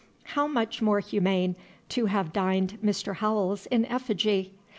How much more humane to have dined Mr. Howells in effigy!